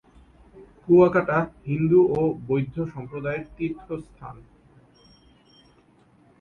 কুয়াকাটা হিন্দু ও বৌদ্ধ সম্প্রদায়ের তীর্থস্থান।